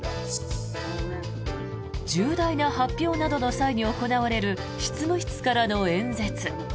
重大な発表などの際に行われる執務室からの演説。